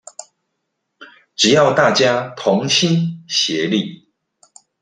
只要大家同心協力